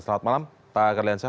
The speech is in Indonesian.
selamat malam pak karliansyah